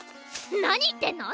何言ってんの？